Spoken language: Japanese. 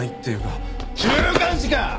週刊誌か？